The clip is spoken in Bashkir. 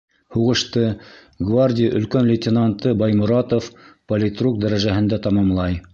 Һуғышты гвардия өлкән лейтенанты Байморатов политрук дәрәжәһендә тамамлай.